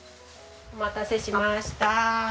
お待たせしました。